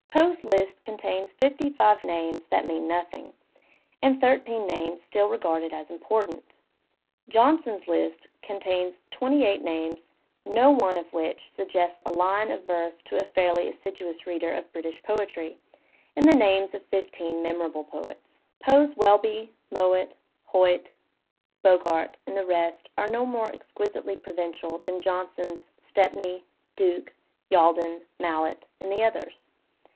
Poe's Ust contains fifty five names that mean nothing, and thirteen names still regarded as important. Johnson's Ust contains twenty eight names no one 6i which Digitized by Google POE 151 suggests a line of verse to a fairly assiduous reader of British poetry, and the names of fifteen memorable poets. Poe's Welby, Mowatt, Hoyt, Bogart and the rest are no more ex quisitely provincial than Johnson's Stepney, Duke, Yalden, Mallett and the others.